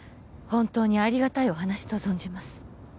本当にありがたいお話と存じます